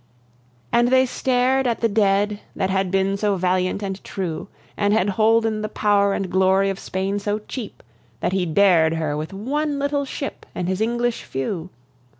And they stared at the dead that had been so valiant and true, And had holden the power and glory of Spain so cheap That he dared her with one little ship and his English few.